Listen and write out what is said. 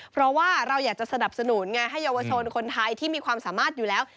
เพราะว่าเราอยากจะสนับสนุนไงให้เยาวชนคนไทยที่มีความสามารถอยู่แล้ว